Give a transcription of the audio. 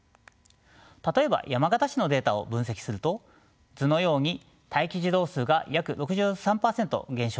例えば山形市のデータを分析すると図のように待機児童数が約６３％減少しています。